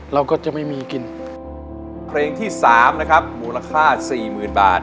เราก็จะไม่มีกินเพลงที่สามนะครับมูลค่าสี่หมื่นบาท